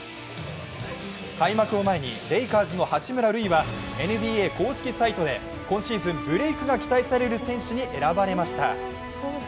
開幕を前にレイカーズの八村塁はＮＢＡ公式サイトで、今シーズンブレークが期待される選手に選ばれました。